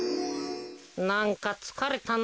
なんかつかれたな。